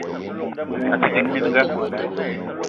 A te ding mininga.